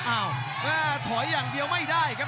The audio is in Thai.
อ้าวแม่ถอยอย่างเดียวไม่ได้ครับ